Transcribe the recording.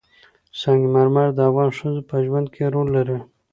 سنگ مرمر د افغان ښځو په ژوند کې رول لري.